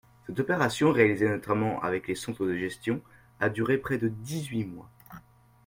Cette opération, réalisée notamment avec les centres de gestion, a duré près de dix-huit mois.